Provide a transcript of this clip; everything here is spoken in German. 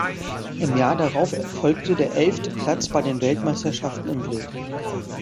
Im Jahr darauf folgte der elfte Platz bei den Weltmeisterschaften in Bled.